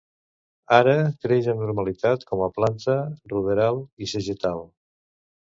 Ara creix amb normalitat com a planta ruderal i segetal.